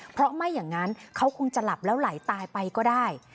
เพราะไม่อย่างนั้นเขาคงจะหลับแล้วไหลตายไปก็ได้